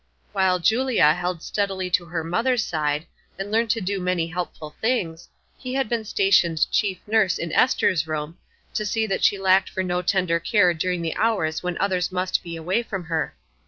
While Julia held steadily to her mother's side, and learned to do many helpful things, he had been stationed chief nurse in Ester's room, to see that she lacked for no tender care during the hours when others must be away from her.